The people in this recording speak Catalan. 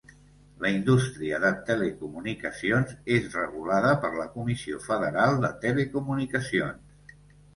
La indústria de telecomunicacions és regulada per la Comissió Federal de Telecomunicacions.